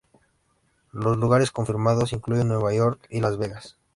Los lugares confirmados incluyen Nueva York y Las Vegas.